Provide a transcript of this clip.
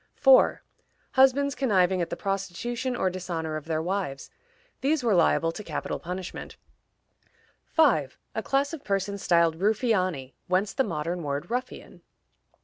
4. Husbands conniving at the prostitution or dishonor of their wives: these were liable to capital punishment. 5. A class of persons styled Ruffiani (whence the modern word ruffian).